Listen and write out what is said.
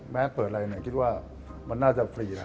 เปิดอะไรเนี่ยคิดว่ามันน่าจะฟรีแล้ว